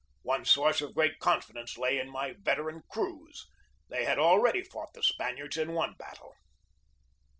One source of great confi dence lay in my veteran crews. They had already fought the Spaniards in one battle.